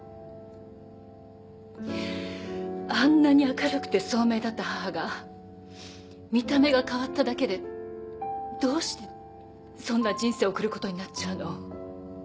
あんなに明るくて聡明だった母が見た目が変わっただけでどうしてそんな人生送ることになっちゃうの？